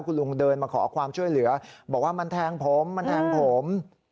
คุณลุงเดินมาขอความช่วยเหลือบอกว่ามันแทงผมมันแทงผม